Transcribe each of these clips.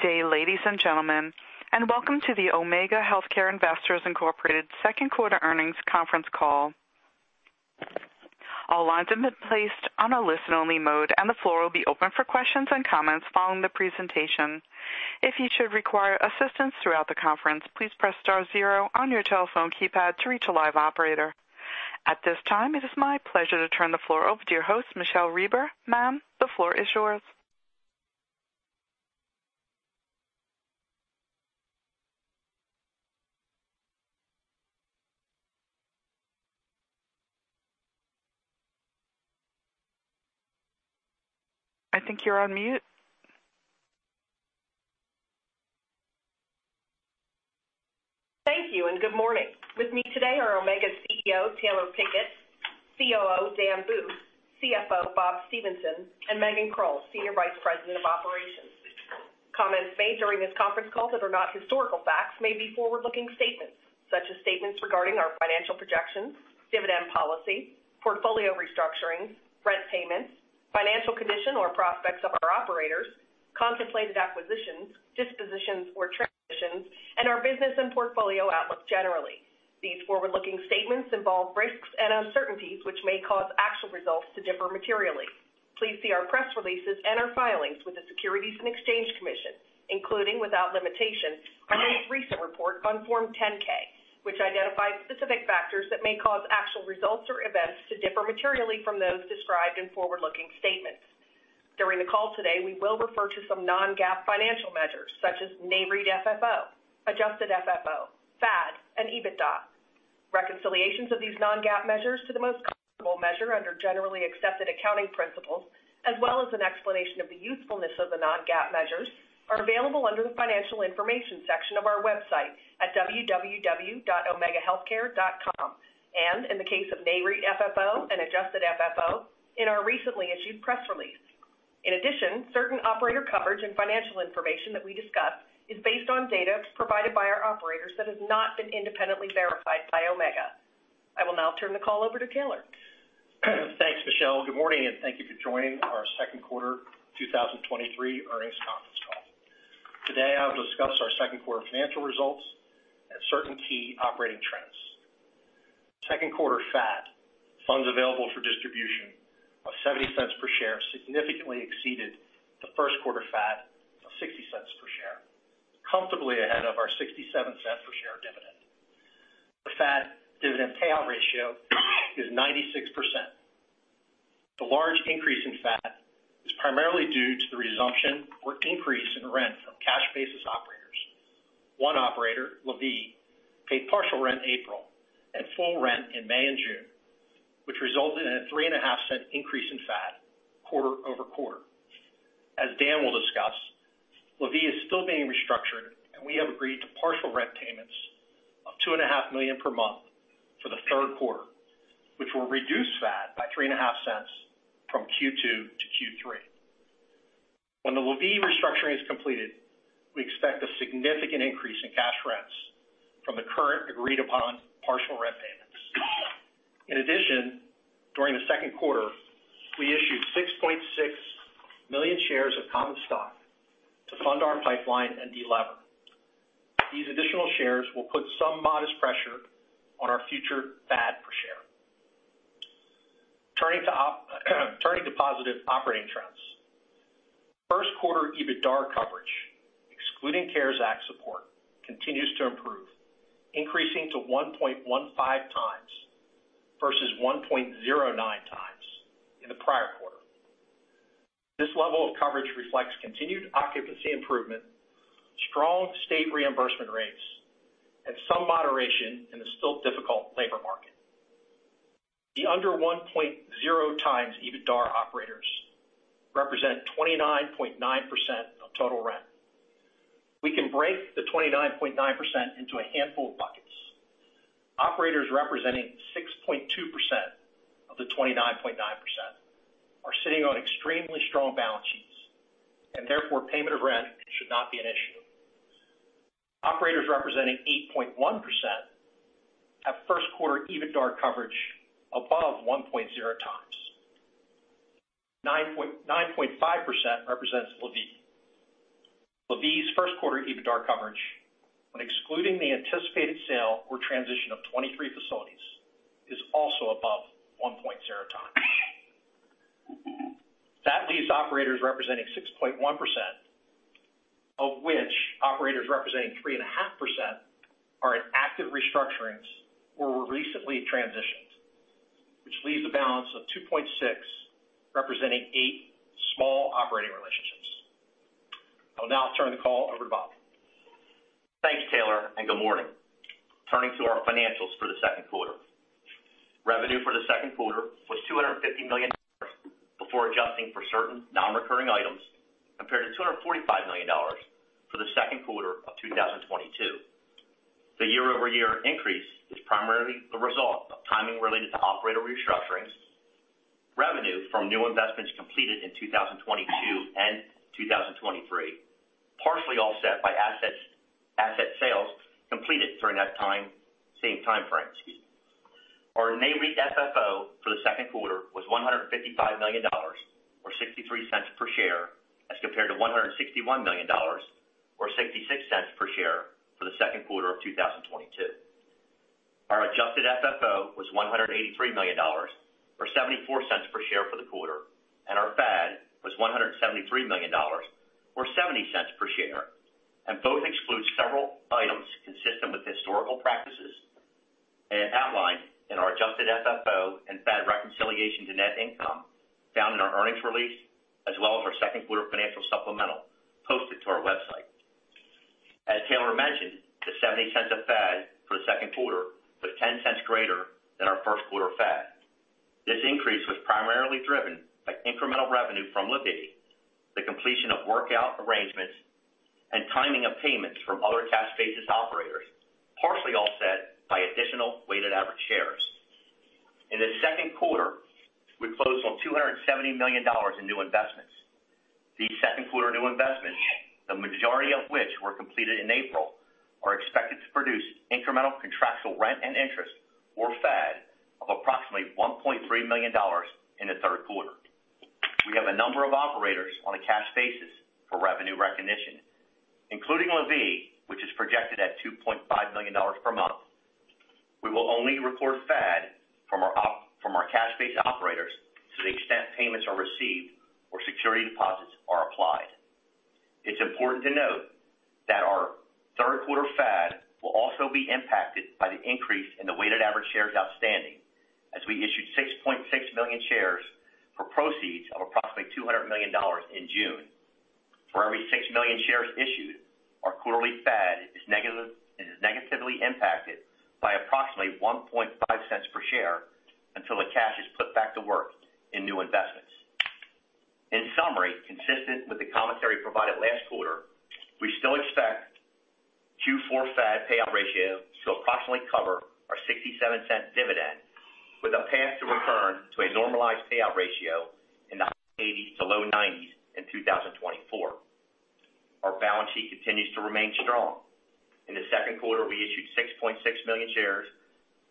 Good day, ladies and gentlemen, and welcome to the Omega Healthcare Investors Incorporated Second Quarter Earnings Conference Call. All lines have been placed on a listen-only mode, and the floor will be open for questions and comments following the presentation. If you should require assistance throughout the conference, please press star zero on your telephone keypad to reach a live operator. At this time, it is my pleasure to turn the floor over to your host, Michele Reber. Ma'am, the floor is yours. I think you're on mute. Thank you. Good morning. With me today are Omega CEO Taylor Pickett, COO Dan Booth, CFO Bob Stephenson, and Megan Krull, Senior Vice President of Operations. Comments made during this conference call that are not historical facts may be forward-looking statements, such as statements regarding our financial projections, dividend policy, portfolio restructuring, rent payments, financial condition, or prospects of our operators, contemplated acquisitions, dispositions, or transitions, and our business and portfolio outlook generally. These forward-looking statements involve risks and uncertainties, which may cause actual results to differ materially. Please see our press releases and our filings with the Securities and Exchange Commission, including, without limitation, our most recent report on Form 10-K, which identifies specific factors that may cause actual results or events to differ materially from those described in forward-looking statements. During the call today, we will refer to some non-GAAP financial measures such as NAREIT FFO, adjusted FFO, FAD, and EBITDA. Reconciliations of these non-GAAP measures to the most comparable measure under generally accepted accounting principles, as well as an explanation of the usefulness of the non-GAAP measures, are available under the Financial Information section of our website at www.omegahealthcare.com, and in the case of NAREIT FFO and adjusted FFO, in our recently issued press release. In addition, certain operator coverage and financial information that we discuss is based on data provided by our operators that has not been independently verified by Omega. I will now turn the call over to Taylor. Thanks, Michelle. Good morning, thank you for joining our second quarter 2023 earnings conference call. Today, I'll discuss our second quarter financial results and certain key operating trends. Second quarter FAD, funds available for distribution, of $0.70 per share, significantly exceeded the first quarter FAD of $0.60 per share, comfortably ahead of our $0.67 per share dividend. The FAD dividend payout ratio is 96%. The large increase in FAD is primarily due to the resumption or increase in rent from cash basis operators. One operator, LaVie, paid partial rent in April and full rent in May and June, which resulted in a $0.035 increase in FAD quarter-over-quarter. As Dan will discuss, La Vie is still being restructured, and we have agreed to partial rent payments of $2.5 million per month for the 3rd quarter, which will reduce FAD by $0.035 from Q2 to Q3. When the La Vie restructuring is completed, we expect a significant increase in cash rents from the current agreed-upon partial rent payments. In addition, during the 2nd quarter, we issued 6.6 million shares of common stock to fund our pipeline and delever. These additional shares will put some modest pressure on our future FAD per share. Turning to positive operating trends. 1st quarter EBITDAR coverage, excluding CARES Act support, continues to improve, increasing to 1.15 times versus 1.09 times in the prior quarter. This level of coverage reflects continued occupancy improvement, strong state reimbursement rates, and some moderation in the still difficult labor market. The under 1.0 times EBITDAR operators represent 29.9% of total rent. We can break the 29.9% into a handful of buckets. Operators representing 6.2% of the 29.9% are sitting on extremely strong balance sheets, therefore, payment of rent should not be an issue. Operators representing 8.1% have first quarter EBITDAR coverage above 1.0 times. 9.5% represents La Vie. La Vie's first quarter EBITDAR coverage, when excluding the anticipated sale or transition of 23 facilities, is also above 1.0 times. That leaves operators representing 6.1%, of which operators representing 3.5% are in active restructurings or were recently transitioned, which leaves a balance of 2.6, representing eight small operating relationships. I'll now turn the call over to Bob. Thanks, Taylor. Good morning. Turning to our financials for the second quarter. Revenue for the second quarter was $250 million, before adjusting for certain non-recurring items, compared to $245 million for the second quarter of 2022. The year-over-year increase is primarily the result of timing related to operator restructurings, revenue from new investments completed in 2022 and 2023, partially offset by same time frame, excuse me. Our NAREIT FFO for the second quarter was $155 million, or $0.63 per share, as compared to $161 million or $0.66 per share for the second quarter of 2022. Our adjusted FFO was $183 million, or $0.74 per share for the quarter, and our FAD was $173 million or $0.70 per share. Both exclude several items consistent with historical practices and outlined in our adjusted FFO and FAD reconciliation to net income found in our earnings release, as well as our second quarter financial supplemental posted to our website. As Taylor mentioned, the $0.70 of FAD for the second quarter was $0.10 greater than our first quarter FAD. This increase was primarily driven by incremental revenue from LaVie, the completion of workout arrangements, and timing of payments from other cash basis operators, partially offset by additional weighted average shares. In the second quarter, we closed on $270 million in new investments. These second quarter new investments, the majority of which were completed in April, are expected to produce incremental contractual rent and interest or FAD of approximately $1.3 million in the third quarter. We have a number of operators on a cash basis for revenue recognition, including LaVie, which is projected at $2.5 million per month. We will only report FAD from our cash-based operators to the extent payments are received or security deposits are applied. It's important to note that our third quarter FAD will also be impacted by the increase in the weighted average shares outstanding, as we issued 6.6 million shares for proceeds of approximately $200 million in June. For every 6 million shares issued, our quarterly FAD is negatively impacted by approximately $0.015 per share until the cash is put back to work in new investments. In summary, consistent with the commentary provided last quarter, we still expect Q4 FAD payout ratio to approximately cover our $0.67 dividend, with a path to return to a normalized payout ratio in the high 80s to low 90s in 2024. Our balance sheet continues to remain strong. In the second quarter, we issued 6.6 million shares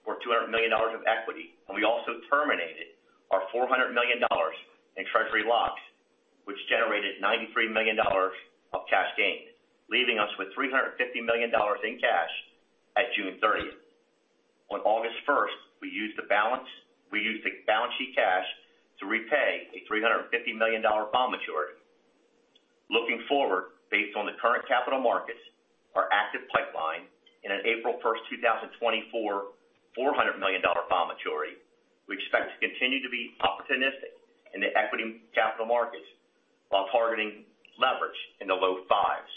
or $200 million of equity. We also terminated our $400 million in treasury locks, which generated $93 million of cash gain, leaving us with $350 million in cash at June 30th. On August 1st, we used the balance sheet cash to repay a $350 million bond maturity. Looking forward, based on the current capital markets, our active pipeline in an April 1st, 2024, $400 million bond maturity, we expect to continue to be opportunistic in the equity capital markets while targeting leverage in the low 5s.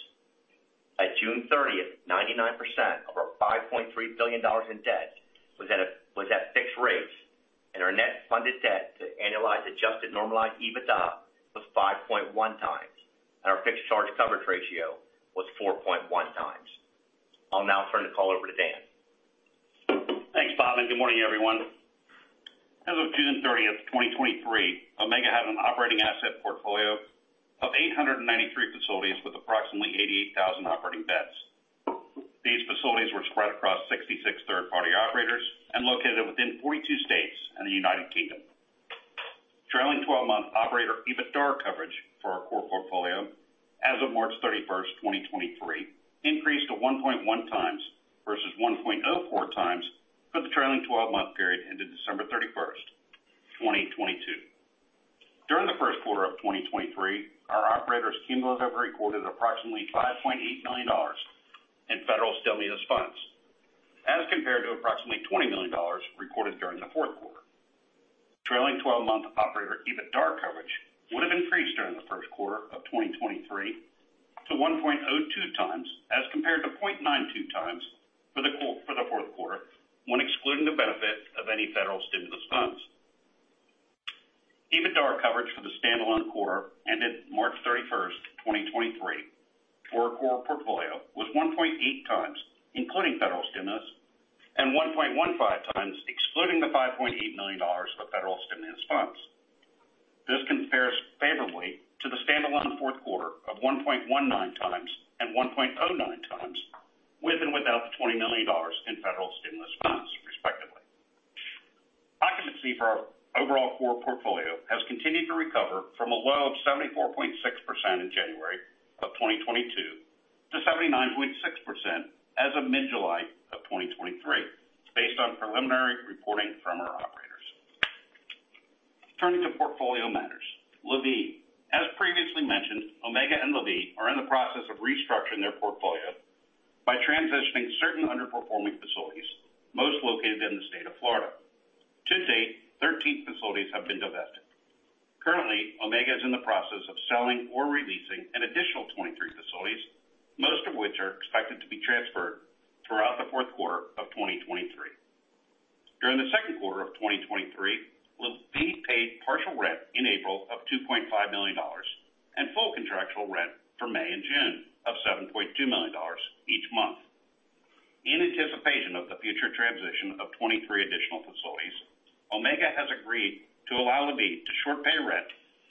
At June 30th, 99% of our $5.3 billion in debt was at fixed rates, our net funded debt to annualize adjusted normalized EBITDA was 5.1 times, and our fixed charge coverage ratio was 4.1 times. I'll now turn the call over to Dan. Thanks, Bob, and good morning, everyone. As of June 30, 2023, Omega had an operating asset portfolio of 893 facilities with approximately 88,000 operating beds. These facilities were spread across 66 third-party operators and located within 42 states and the United Kingdom. Trailing twelve-month operator EBITDA coverage for our core portfolio as of March 31, 2023, increased to 1.1 times versus 1.04 times for the trailing twelve-month period ended December 31, 2022. During the first quarter of 2023, our operators cumulatively recorded approximately $5.8 million in federal stimulus funds, as compared to approximately $20 million recorded during the fourth quarter. Trailing twelve-month operator EBITDA coverage would have increased during the first quarter of 2023 to 1.02 times, as compared to 0.92 times for the fourth quarter, when excluding the benefit of any federal stimulus funds. EBITDA coverage for the standalone quarter ended March 31, 2023 for our core portfolio was 1.8 times, including federal stimulus, and 1.15 times, excluding the $5.8 million of federal stimulus funds. This compares favorably to the standalone fourth quarter of 1.19 times and 1.09 times, with and without the $20 million in federal stimulus funds, respectively. Occupancy for our overall core portfolio has continued to recover from a low of 74.6% in January of 2022 to 79.6% as of mid-July of 2023, based on preliminary reporting from our operators. Turning to portfolio matters. LaVie, as previously mentioned, Omega and LaVie are in the process of restructuring their portfolio by transitioning certain underperforming facilities, most located in the state of Florida. To date, 13 facilities have been divested. Currently, Omega is in the process of selling or releasing an additional 23 facilities, most of which are expected to be transferred throughout the fourth quarter of 2023. During the second quarter of 2023, LaVie paid partial rent in April of $2.5 million and full contractual rent for May and June of $7.2 million each month. In anticipation of the future transition of 23 additional facilities, Omega has agreed to allow LaVie to short pay rent.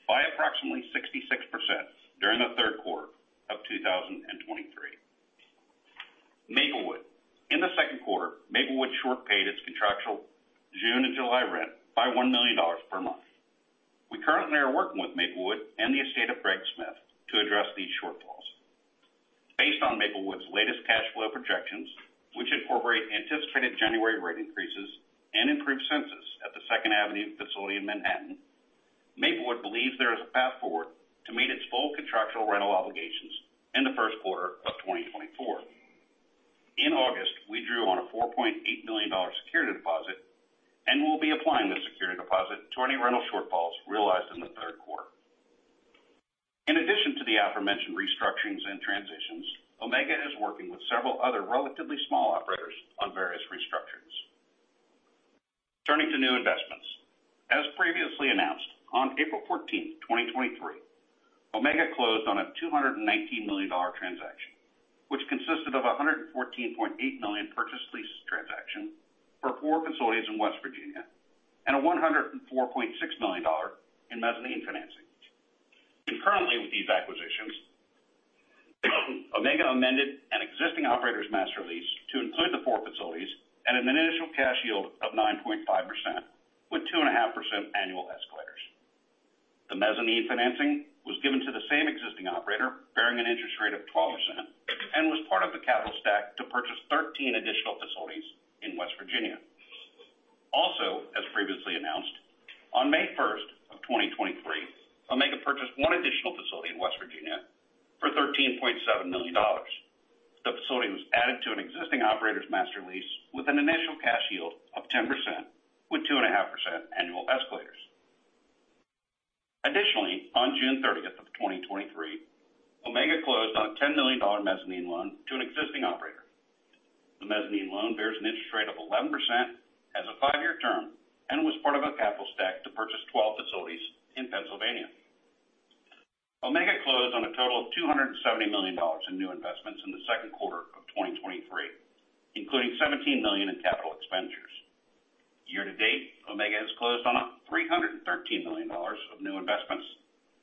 approximately 66% during the third quarter of 2023. Maplewood. In the second quarter, Maplewood short paid its contractual June and July rent by $1 million per month. We currently are working with Maplewood and the estate of Greg Smith to address these shortfalls. Based on Maplewood's latest cash flow projections, which incorporate anticipated January rate increases and improved census at the Second Avenue facility in Manhattan, Maplewood believes there is a path forward to meet its full contractual rental obligations in the first quarter of 2024. In August, we drew on a $4.8 million security deposit and will be applying the security deposit to any rental shortfalls realized in the third quarter. In addition to the aforementioned restructurings and transitions, Omega is working with several other relatively small operators on various restructurings. Turning to new investments. As previously announced, on April 14th, 2023, Omega closed on a $219 million transaction, which consisted of a $114.8 million purchase lease transaction for 4 facilities in West Virginia and a $104.6 million in mezzanine financing. Concurrently with these acquisitions, Omega amended an existing operator's master lease to include the 4 facilities at an initial cash yield of 9.5%, with 2.5% annual escalators. The mezzanine financing was given to the same existing operator, bearing an interest rate of 12%, and was part of the capital stack to purchase 13 additional facilities in West Virginia. As previously announced, on May 1st, 2023, Omega purchased 1 additional facility in West Virginia for $13.7 million. The facility was added to an existing operator's master lease with an initial cash yield of 10%, with 2.5% annual escalators. Additionally, on June 30th, 2023, Omega closed on a $10 million mezzanine loan to an existing operator. The mezzanine loan bears an interest rate of 11%, has a 5-year term, and was part of a capital stack to purchase 12 facilities in Pennsylvania. Omega closed on a total of $270 million in new investments in the second quarter of 2023, including $17 million in CapEx. Year to date, Omega has closed on $313 million of new investments,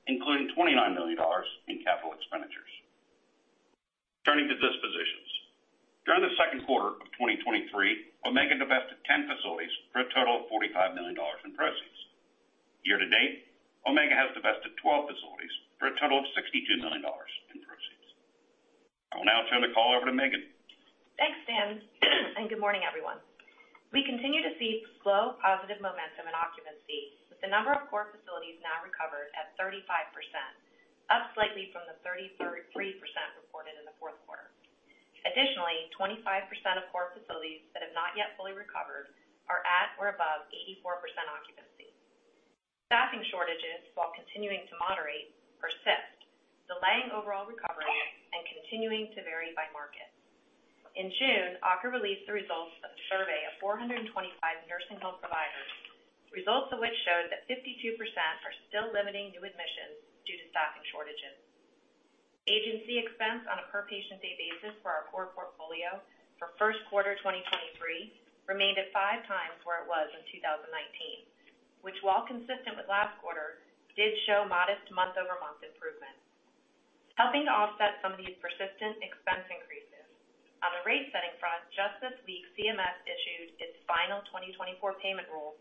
including $29 million in CapEx. Turning to dispositions. During the second quarter of 2023, Omega divested 10 facilities for a total of $45 million in proceeds. Year to date, Omega has divested 12 facilities for a total of $62 million in proceeds. I will now turn the call over to Megan. Thanks, Dan, good morning, everyone. We continue to see slow, positive momentum in occupancy, with the number of core facilities now recovered at 35%, up slightly from the 33% reported in the fourth quarter. Additionally, 25% of core facilities that have not yet fully recovered are at or above 84% occupancy. Staffing shortages, while continuing to moderate, persist, delaying overall recovery and continuing to vary by market. In June, AHRQ released the results of a survey of 425 nursing home providers, results of which showed that 52% are still limiting new admissions due to staffing shortages. Agency expense on a per-patient day basis for our core portfolio for first quarter 2023 remained at 5 times where it was in 2019, which, while consistent with last quarter, did show modest month-over-month improvement. Helping to offset some of these persistent expense increases, on the rate setting front, just this week, CMS issued its final 2024 payment rule,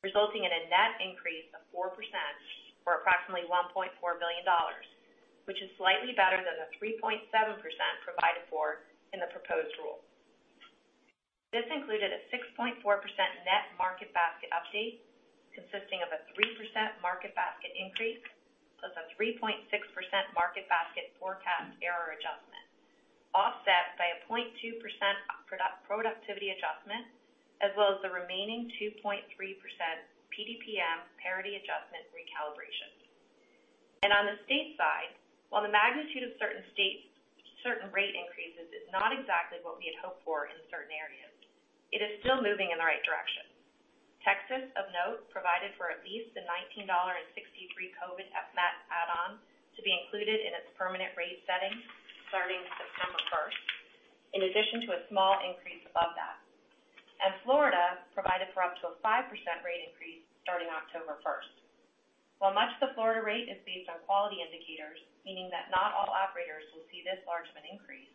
resulting in a net increase of 4%, or approximately $1.4 million, which is slightly better than the 3.7% provided for in the proposed rule. This included a 6.4% net market basket update, consisting of a 3% market basket increase, plus a 3.6% market basket forecast error adjustment, offset by a 0.2% productivity adjustment, as well as the remaining 2.3% PDPM parity adjustment recalibration. On the state side, while the magnitude of certain states, certain rate increases is not exactly what we had hoped for in certain areas, it is still moving in the right direction. Texas, of note, provided for at least a $19.63 COVID FMAP add-on to be included in its permanent rate setting starting September 1st, in addition to a small increase above that. Florida provided for up to a 5% rate increase starting October 1st. While much of the Florida rate is based on quality indicators, meaning that not all operators will see this large of an increase,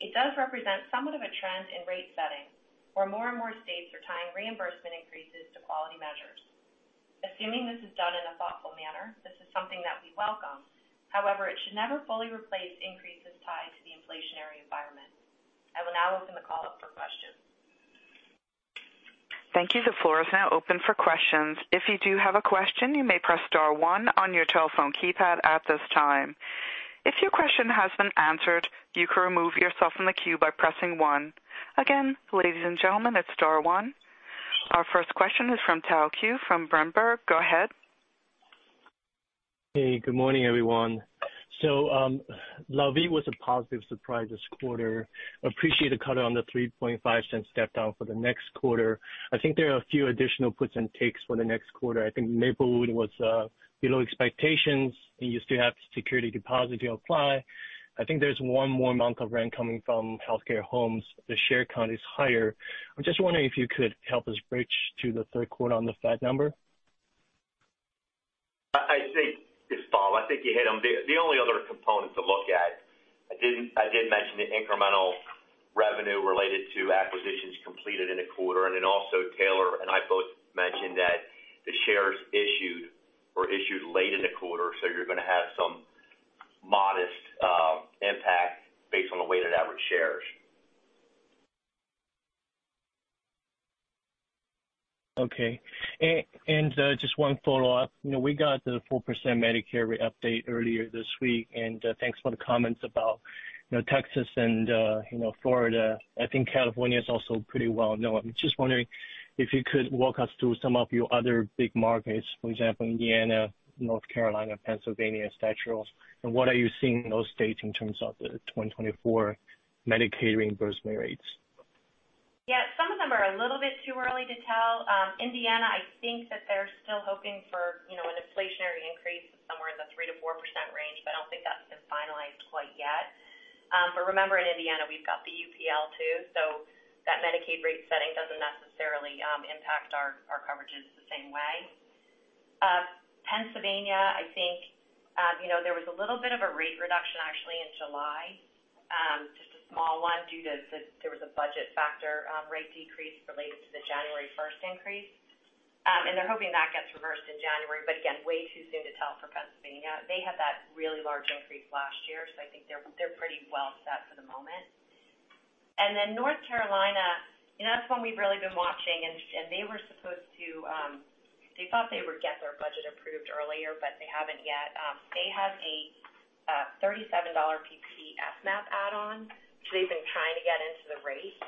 it does represent somewhat of a trend in rate setting, where more and more states are tying reimbursement increases to quality measures. Assuming this is done in a thoughtful manner, this is something that we welcome. However, it should never fully replace increases tied to the inflationary environment. I will now open the call up for questions. Thank you. The floor is now open for questions. If you do have a question, you may press star one on your telephone keypad at this time. If your question has been answered, you can remove yourself from the queue by pressing one. Again, ladies and gentlemen, it's star one. Our first question is from Tao Qiu from Berenberg. Go ahead. Good morning, everyone. La Vie was a positive surprise this quarter. Appreciate the color on the $0.035 step down for the next quarter. I think there are a few additional puts and takes for the next quarter. I think Maplewood was below expectations, and you still have security deposit to apply.... I think there's one more month of rent coming from Healthcare Homes. The share count is higher. I'm just wondering if you could help us bridge to the third quarter on the FAD number. I, I think, it's Paul. I think you hit them. The, the only other component to look at, I didn't. I did mention the incremental revenue related to acquisitions completed in a quarter, and then also, Taylor and I both mentioned that the shares issued were issued late in the quarter, so you're gonna have some modest impact based on the weighted average shares. Okay. Just one follow-up. You know, we got the 4% Medicare re-update earlier this week, and thanks for the comments about, you know, Texas and, you know, Florida. I think California is also pretty well known. I'm just wondering if you could walk us through some of your other big markets, for example, Indiana, North Carolina, Pennsylvania, staturals, and what are you seeing in those states in terms of the 2024 Medicaid reimbursement rates? Yeah, some of them are a little bit too early to tell. Indiana, I think that they're still hoping for, you know, an inflationary increase somewhere in the 3%-4% range, but I don't think that's been finalized quite yet. Remember, in Indiana, we've got the UPL, too, so that Medicaid rate setting doesn't necessarily impact our, our coverages the same way. Pennsylvania, I think, you know, there was a little bit of a rate reduction, actually, in July. Just a small one due to the There was a budget factor, rate decrease related to the January 1st increase. They're hoping that gets reversed in January, again, way too soon to tell for Pennsylvania. They had that really large increase last year, I think they're, they're pretty well set for the moment. North Carolina, you know, that's one we've really been watching, and, and they were supposed to, they thought they would get their budget approved earlier, but they haven't yet. They have a $37 PPD FMAP add-on, so they've been trying to get into the rate.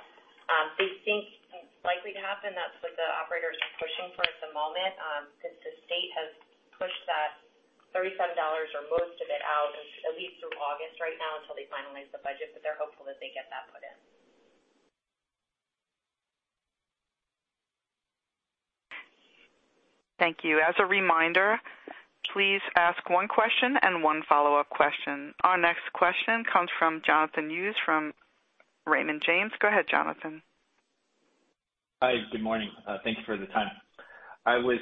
We think it's likely to happen. That's what the operators are pushing for at the moment, since the state has pushed that $37 or most of it out, at least through August, right now, until they finalize the budget, but they're hopeful that they get that put in. Thank you. As a reminder, please ask one question and one follow-up question. Our next question comes from Jonathan Hughes from Raymond James. Go ahead, Jonathan. Hi, good morning. Thank you for the time. I was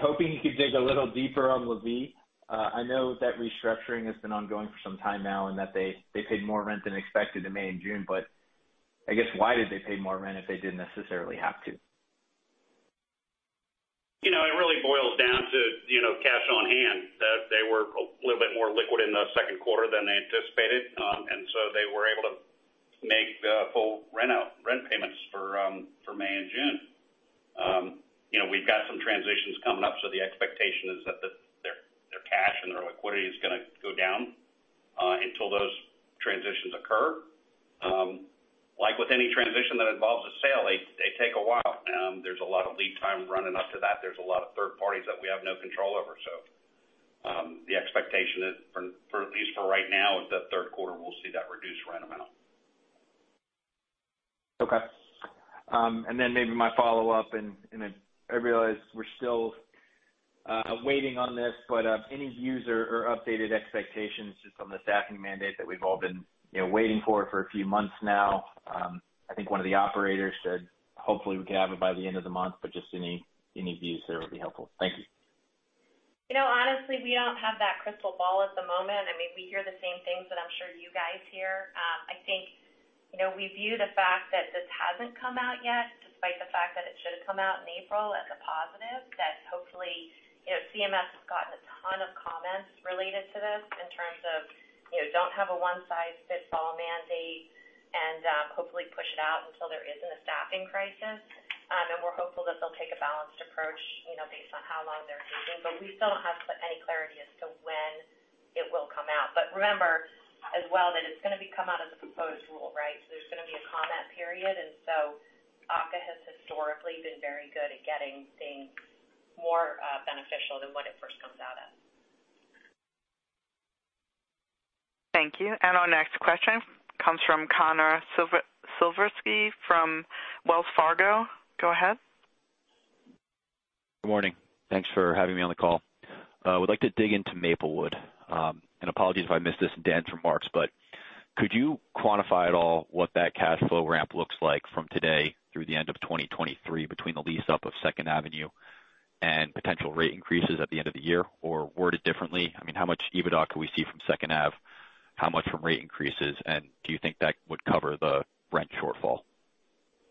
hoping you could dig a little deeper on La Vie. I know that restructuring has been ongoing for some time now and that they paid more rent than expected in May and June, but I guess, why did they pay more rent if they didn't necessarily have to? You know, it really boils down to, you know, cash on hand. That they were a little bit more liquid in the second quarter than they anticipated, and so they were able to make the full rent out, rent payments for May and June. You know, we've got some transitions coming up, so the expectation is that the, their, their cash and their liquidity is gonna go down until those transitions occur. Like with any transition that involves a sale, they, they take a while. There's a lot of lead time running up to that. There's a lot of third parties that we have no control over. The expectation is, for, for at least for right now, is that third quarter, we'll see that reduced rent amount. Okay. Maybe my follow-up, and, and I, I realize we're still waiting on this, but any views or updated expectations just on the staffing mandate that we've all been, you know, waiting for, for a few months now? I think one of the operators said, hopefully, we can have it by the end of the month, but just any, any views there would be helpful. Thank you. You know, honestly, we don't have that crystal ball at the moment. I mean, we hear the same things that I'm sure you guys hear. I think, you know, we view the fact that this hasn't come out yet, despite the fact that it should have come out in April, as a positive. That hopefully, you know, CMS has gotten a ton of comments related to this in terms of, you know, don't have a one-size-fits-all mandate and, hopefully, push it out until there isn't a staffing crisis. We're hopeful that they'll take a balanced approach, you know, based on how long they're taking. We still don't have any clarity as to when it will come out. Remember, as well, that it's gonna be come out as a proposed rule, right? There's gonna be a comment period, and so AHCA has historically been very good at getting things more beneficial than what it first comes out as. Thank you. Our next question comes from Connor Siversky, from Wells Fargo. Go ahead. Good morning. Thanks for having me on the call. Would like to dig into Maplewood. Apologies if I missed this in Dan's remarks, but could you quantify at all what that cash flow ramp looks like from today through the end of 2023, between the lease up of Second Avenue and potential rate increases at the end of the year? Word it differently, I mean, how much EBITDA can we see from Second Ave? How much from rate increases, and do you think that would cover the rent shortfall?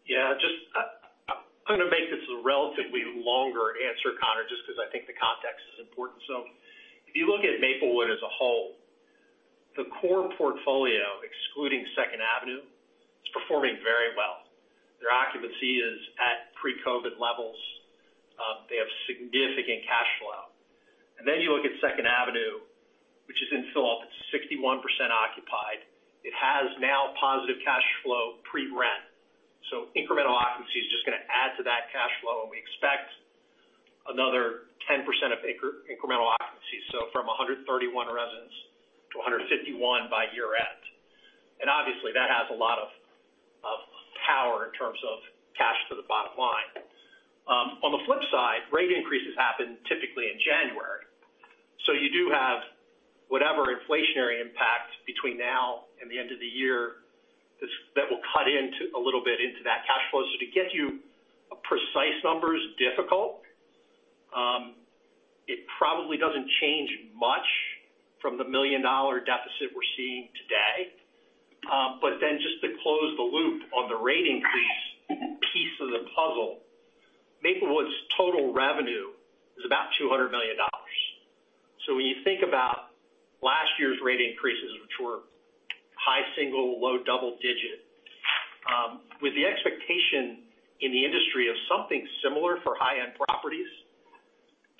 Yeah, just, I'm gonna make this a relatively longer answer, Connor, just because I think the context is important. If you look at Maplewood as a whole, the core portfolio, excluding Second Avenue, is performing very well. Their occupancy is at pre-COVID levels. They have significant cash flow. Then you look at Second Avenue, which is in fill up. It's 61% occupied. It has now positive cash flow pre-rent. Incremental occupancy is just gonna add to that cash flow, and we expect another 10% of incremental occupancy, so from 131 residents to 151 by year-end. Increases happen typically in January. You do have whatever inflationary impact between now and the end of the year, that will cut into, a little bit into that cash flow. To get you a precise number is difficult. It probably doesn't change much from the $1 million deficit we're seeing today. Just to close the loop on the rate increase piece of the puzzle, Maplewood's total revenue is about $200 million. When you think about last year's rate increases, which were high single, low double digit, with the expectation in the industry of something similar for high-end properties,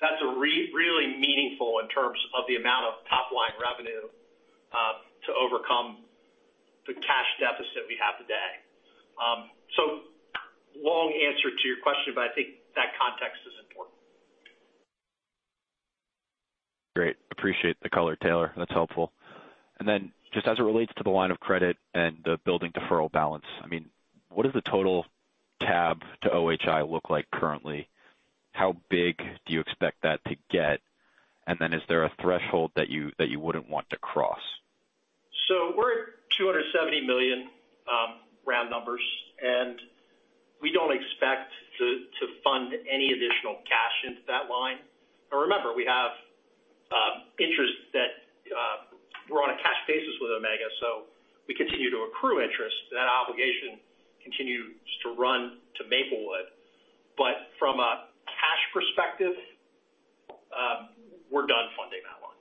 that's a really meaningful in terms of the amount of top-line revenue to overcome the cash deficit we have today. Long answer to your question, I think that context is important. Great. Appreciate the color, Taylor. That's helpful. Just as it relates to the line of credit and the building deferral balance, I mean, what does the total tab to OHI look like currently? How big do you expect that to get? Is there a threshold that you wouldn't want to cross? We're at $270 million, round numbers, and we don't expect to, to fund any additional cash into that line. Remember, we have interest that we're on a cash basis with Omega, so we continue to accrue interest. That obligation continues to run to Maplewood, but from a cash perspective, we're done funding that line.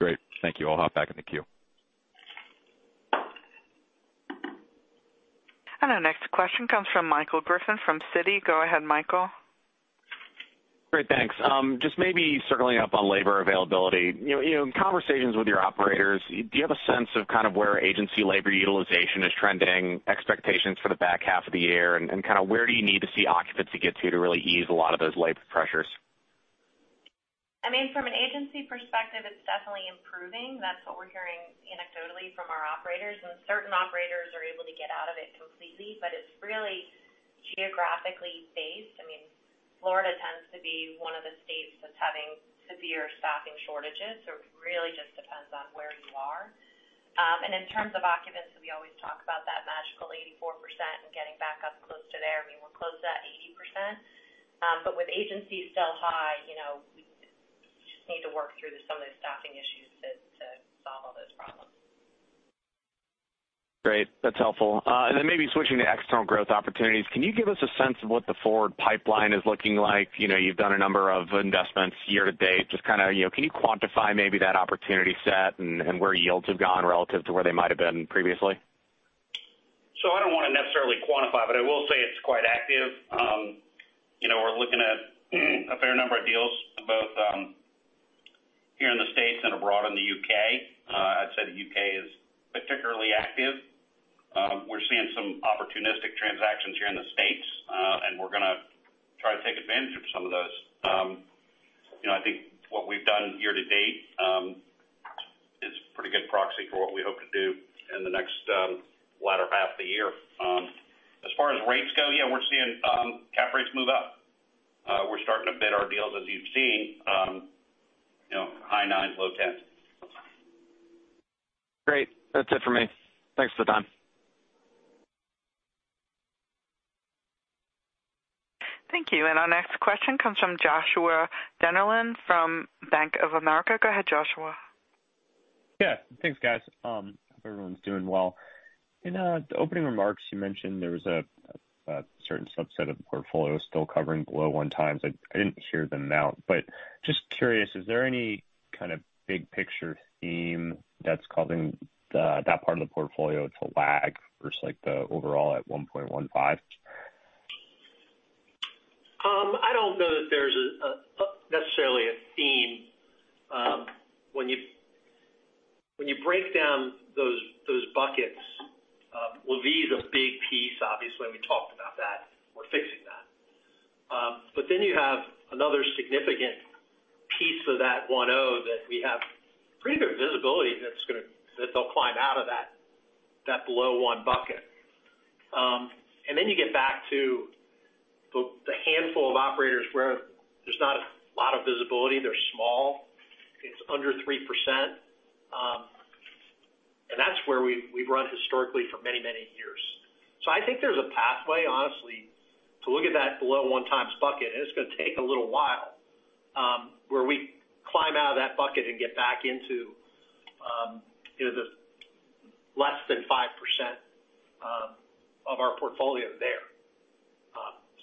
Great, thank you. I'll hop back in the queue. Our next question comes from Michael Griffin from Citi. Go ahead, Michael. Great, thanks. Just maybe circling up on labor availability. You know, in conversations with your operators, do you have a sense of kind of where agency labor utilization is trending, expectations for the back half of the year, and kind of where do you need to see occupancy get to, to really ease a lot of those labor pressures? I mean, from an agency perspective, it's definitely improving. That's what we're hearing anecdotally from our operators. Certain operators are able to get out of it completely, but it's really geographically based. I mean, Florida tends to be one of the states that's having severe staffing shortages. It really just depends on where you are. In terms of occupancy, we always talk about that magical 84% and getting back up close to there. I mean, we're close to that 80%. With agencies still high, you know, we just need to work through some of those staffing issues to, to solve all those problems. Great. That's helpful. Then maybe switching to external growth opportunities, can you give us a sense of what the forward pipeline is looking like? You know, you've done a number of investments year to date, just kind of, you know, can you quantify maybe that opportunity set and, and where yields have gone relative to where they might have been previously? I don't want to necessarily quantify, but I will say it's quite active. You know, we're looking at, a fair number of deals, both here in the States and abroad in the UK. I'd say the UK is particularly active. We're seeing some opportunistic transactions here in the States, we're gonna try to take advantage of some of those. You know, I think what we've done year to date is pretty good proxy for what we hope to do in the next latter half of the year. As far as rates go, yeah, we're seeing cap rates move up. We're starting to bid our deals, as you've seen, you know, high 9s, low 10s. Great. That's it for me. Thanks for the time. Thank you. Our next question comes from Joshua Dennerlein from Bank of America. Go ahead, Joshua. Yeah, thanks, guys. I hope everyone's doing well. In the opening remarks, you mentioned there was a, a certain subset of the portfolio still covering below 1x. I, I didn't hear the amount, but just curious, is there any kind of big picture theme that's causing the, that part of the portfolio to lag versus, like, the overall at 1.15? I don't know that there's necessarily a theme. When you, when you break down those, those buckets, LaVie is a big piece. Obviously, we talked about that. We're fixing that. Then you have another significant piece of that 1.0 that we have pretty good visibility that's gonna... That they'll climb out of that, that below 1 bucket. Then you get back to the, the handful of operators where there's not a lot of visibility. They're small. It's under 3%, that's where we, we've run historically for many, many years. I think there's a pathway, honestly, to look at that below 1 times bucket, it's gonna take a little while, where we climb out of that bucket and get back into, you know, the less than 5%, of our portfolio there.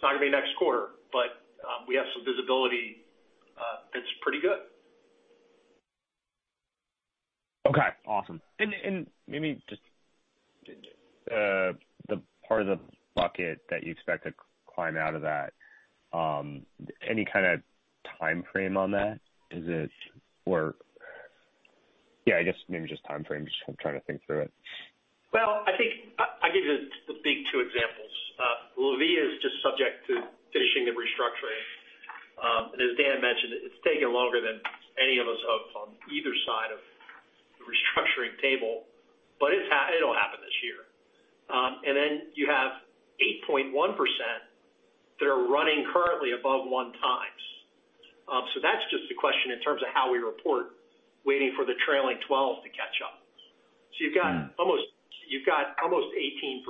It's not gonna be next quarter, but we have some visibility, that's pretty good. Okay, awesome. Maybe just, the part of the bucket that you expect to climb out of that, any kind of timeframe on that? Is it or... Yeah, I guess maybe just timeframes. Just I'm trying to think through it. Well, I think I'll give you the big two examples. LaVie is just subject to finishing the restructuring. As Dan mentioned, it's taken longer than any of us hoped on either side of the restructuring table. Then you have 8.1% that are running currently above 1 times. That's just a question in terms of how we report, waiting for the trailing twelve to catch up. Mm. You've got almost, you've got almost 18%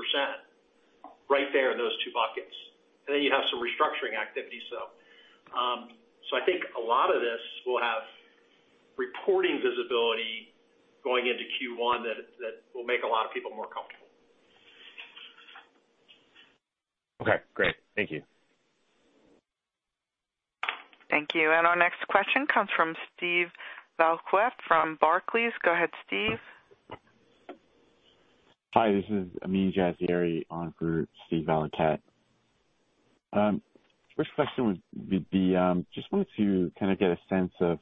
right there in those two buckets, and then you have some restructuring activity. I think a lot of this will have reporting visibility going into Q1 that, that will make a lot of people more comfortable. Okay, great. Thank you. Thank you. Our next question comes from Steven Valiquette from Barclays. Go ahead, Steve. Hi, this is Amin Jazieri on for Steve Valiquette. First question would be, just wanted to kind of get a sense of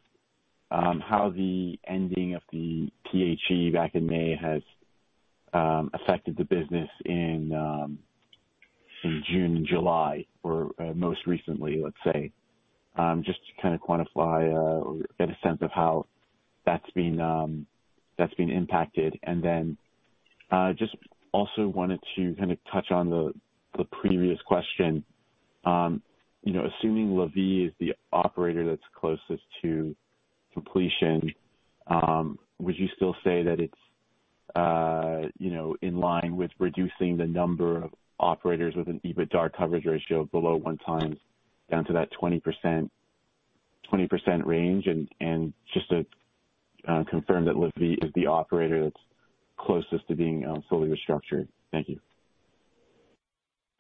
how the ending of the PHE back in May has affected the business in June and July, or most recently, let's say. Just to kind of quantify or get a sense of how that's been that's been impacted. Then, just also wanted to kind of touch on the previous question. You know, assuming LaVie is the operator that's closest to completion, would you still say that it's, you know, in line with reducing the number of operators with an EBITDA coverage ratio below one times, down to that 20%, 20% range? Just to confirm that LaVie is the operator that's closest to being fully restructured. Thank you.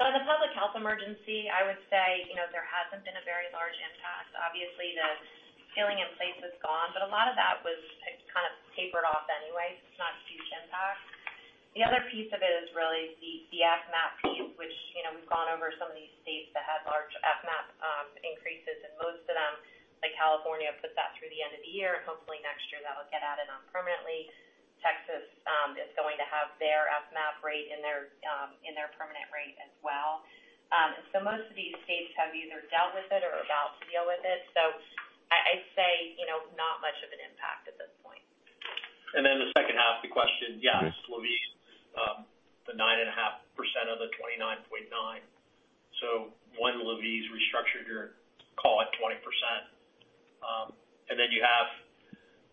The public health emergency, I would say, you know, there hasn't been a very large impact. Obviously, the ceiling in place is gone, it kind of tapered off anyway. It's not a huge impact. The other piece of it is really the FMAP piece, which, you know, we've gone over some of these states that had large FMAP increases, most of them, like California, put that through the end of the year. Hopefully, next year, that will get added on permanently. Texas is going to have their FMAP rate in their permanent rate as well. Most of these states have either dealt with it or are about to deal with it. I'd say, you know, not much of an impact at this point. The second half of the question: Yes, LaVie, the 9.5% of the 29.9%. When LaVie's restructured, you're call it 20%. You have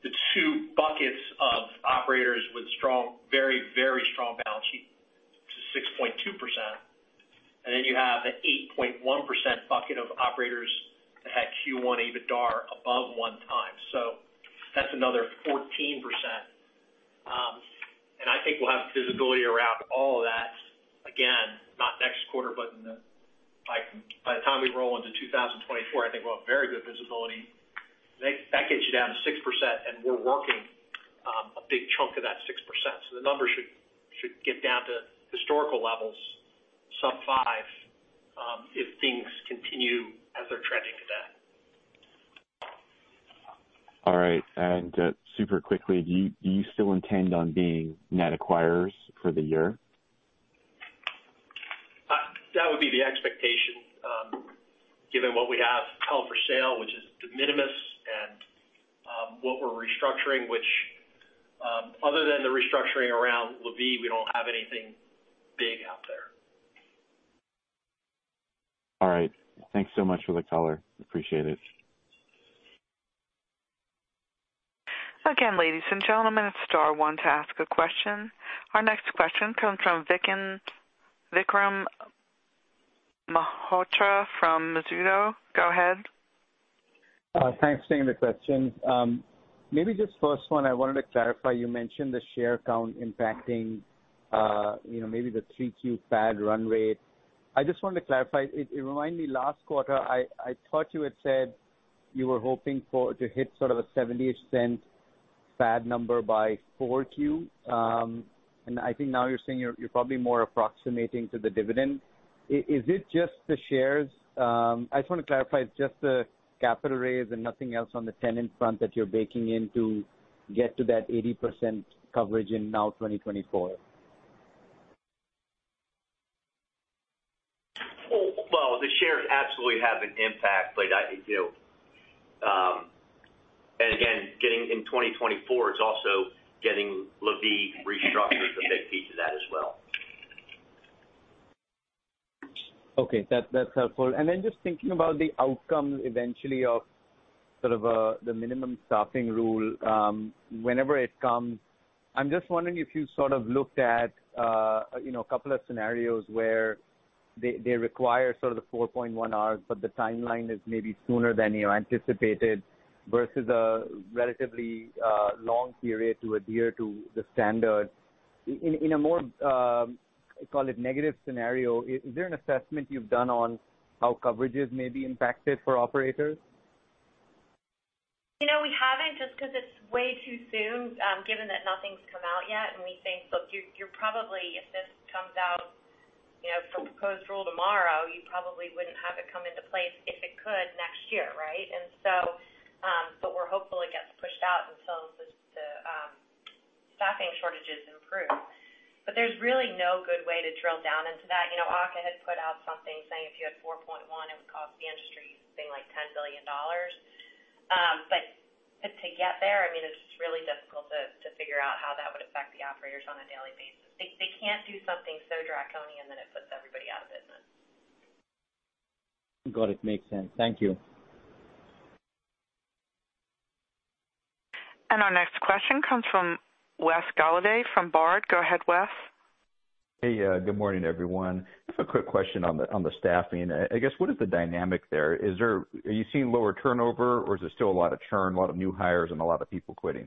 the two buckets of operators with strong, very, very strong balance sheet to 6.2%. You have the 8.1% bucket of operators that had Q1 EBITDA above 1 time. That's another 14%. I think we'll have visibility around all of that, again, not next quarter, but by the time we roll into 2024, I think we'll have very good visibility. That, that gets you down to 6%, and we're working a big chunk of that 6%. The numbers should get down to historical levels, sub 5, if things continue as they're trending today. All right. Super quickly, do you, do you still intend on being net acquirers for the year? That would be the expectation, given what we have held for sale, which is de minimis, and what we're restructuring, which, other than the restructuring around LaVie, we don't have anything big out there. All right. Thanks so much for the color. Appreciate it. Again, ladies and gentlemen, it's star one to ask a question. Our next question comes from Vikram Malhotra from Mizuho. Go ahead. Thanks for taking the question. Maybe just first one, I wanted to clarify, you mentioned the share count impacting, you know, maybe the 3Q FAD run rate. I just wanted to clarify. Remind me, last quarter, I thought you had said you were hoping for- to hit sort of a $0.70-ish FAD number by 4Q. I think now you're saying you're, you're probably more approximating to the dividend. Is it just the shares? I just want to clarify, it's just the capital raise and nothing else on the tenant front that you're baking in to get to that 80% coverage in now 2024? Well, well, the shares absolutely have an impact. They do. Again, getting in 2024, it's also getting LaVie restructured, a big piece of that as well. Okay, that, that's helpful. Just thinking about the outcome eventually of sort of the minimum staffing rule, whenever it comes, I'm just wondering if you sort of looked at, you know, a couple of scenarios where they, they require sort of the 4.1 hours, but the timeline is maybe sooner than you anticipated versus a relatively long period to adhere to the standard. In, in a more, call it negative scenario, is, is there an assessment you've done on how coverages may be impacted for operators? You know, we haven't just because it's way too soon, given that nothing's come out yet, and we think, look, you're, you're probably, if this comes out, you know, proposed rule tomorrow, you probably wouldn't have it come into place if it could next year, right? We're hopeful it gets pushed out until the, the staffing shortages improve. There's really no good way to drill down into that. You know, AHCA had put out something saying if you had 4.1, it would cost the industry something like $10 billion. To get there, I mean, it's really difficult to figure out how that would affect the operators on a daily basis. They, they can't do something so draconian, and then it puts everybody out of business. Got it. Makes sense. Thank you. Our next question comes from Wes Golladay, from Baird. Go ahead, Wes. Hey, good morning, everyone. Just a quick question on the, on the staffing. I guess, what is the dynamic there? Are you seeing lower turnover, or is there still a lot of churn, a lot of new hires, and a lot of people quitting?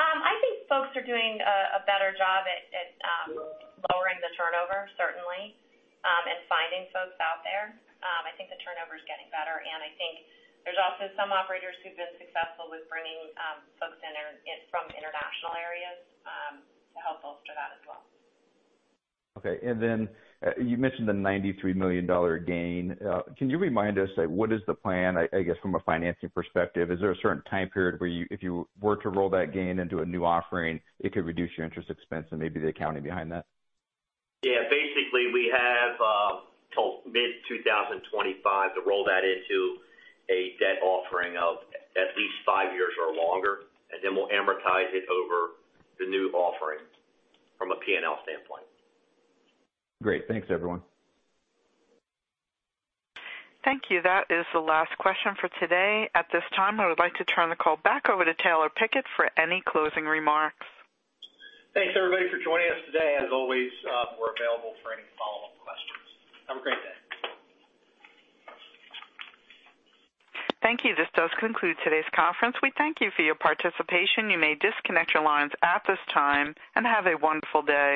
I think folks are doing a, a better job at, at lowering the turnover, certainly, and finding folks out there. I think the turnover is getting better, and I think there's also some operators who've been successful with bringing folks in, in from international areas, to help bolster that as well. Okay. Then, you mentioned the $93 million gain. Can you remind us, like, what is the plan, I guess from a financing perspective? Is there a certain time period where if you were to roll that gain into a new offering, it could reduce your interest expense and maybe the accounting behind that? Basically, we have till mid 2025 to roll that into a debt offering of at least 5 years or longer, and then we'll amortize it over the new offering from a P&L standpoint. Great. Thanks, everyone. Thank you. That is the last question for today. At this time, I would like to turn the call back over to Taylor Pickett for any closing remarks. Thanks, everybody, for joining us today. As always, we're available for any follow-up questions. Have a great day. Thank you. This does conclude today's conference. We thank you for your participation. You may disconnect your lines at this time and have a wonderful day.